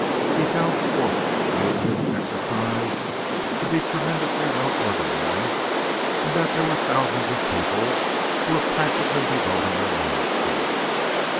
He found sport, amusement, exercise, to be tremendously well organized and that there were thousands of people who were practically devoting their lives to this.